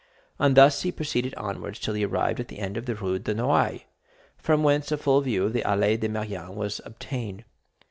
And thus he proceeded onwards till he arrived at the end of the Rue de Noailles, from whence a full view of the Allées de Meilhan was obtained.